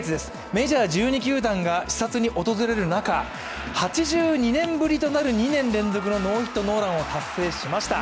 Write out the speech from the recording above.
メジャー１２球団が視察に訪れる中、８２年ぶりになる２年連続のノーヒットノーランを達成しました。